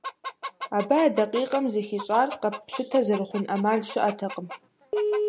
Абы а дакъикъэм зэхищӏар, къэппщытэ зэрыхъун ӏэмал щыӏэтэкъым.